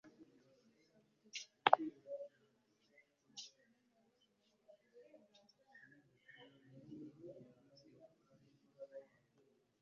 kwinjiza muri za kaminuza n'amashuri makuru programmes zigisha ibyerekeye umuco n'ururimi nyarwanda, ubuhanzi na muzika